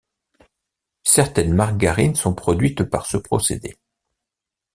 Certaines margarines sont produites par ce procédé.